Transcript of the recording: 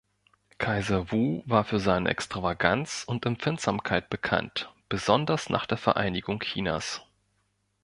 Kaiser Wu war für seine Extravaganz und Empfindsamkeit bekannt, besonders nach der Vereinigung Chinas.